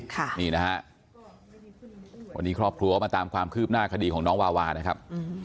วันนี้ครอบครัวมาตามความคลืมหน้าคดีของน้องวาวานะครับ